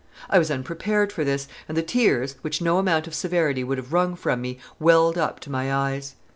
I was unprepared for this, and the tears, which no amount of severity would have wrung from me, welled up to my eyes.